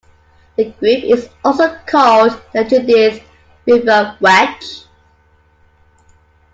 The group is also called the Judith River Wedge.